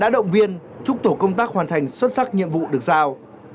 động viên chúc tổ công tác hoàn thành xuất sắc nhiệm vụ được giao